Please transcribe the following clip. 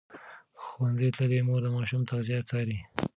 ښوونځې تللې مور د ماشوم تغذیه څاري.